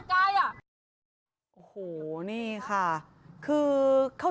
เหาน่าคุณหน่อย